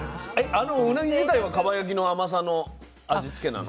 あのうなぎ自体はかば焼きの甘さの味付けなの？